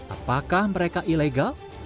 apakah mereka ilegal